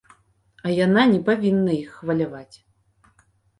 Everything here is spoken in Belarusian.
А яна не павінна іх хваляваць.